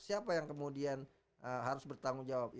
siapa yang kemudian harus bertanggung jawab